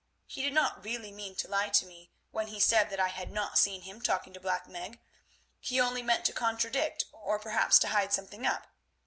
He did not really mean to lie to me when he said that I had not seen him talking to Black Meg, he only meant to contradict, or perhaps to hide something up.